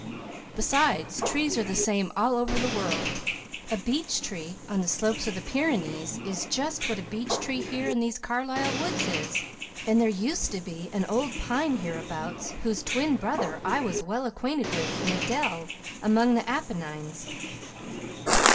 Besides, trees are the same all over the world. A beech tree on the slopes of the Pyrenees is just what a beech tree here in these Carlisle woods is; and there used to be an old pine hereabouts whose twin brother I was well acquainted with in a dell among the Apennines.